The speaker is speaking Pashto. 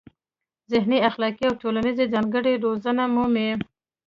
ذهني، اخلاقي او ټولنیزې ځانګړنې روزنه مومي.